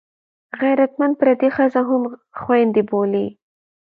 غیرتمند پردۍ ښځه هم خوینده بولي